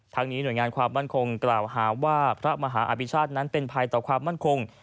นี้หน่วยงานความมั่นคงกล่าวหาว่าพระมหาอภิชาตินั้นเป็นภัยต่อความมั่นคง